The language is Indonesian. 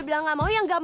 bakal serius ya shay